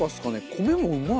米もうまい。